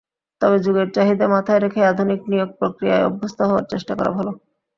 তবে যুগের চাহিদা মাথায় রেখেই আধুনিক নিয়োগ-প্রক্রিয়ায় অভ্যস্ত হওয়ার চেষ্টা করা ভালো।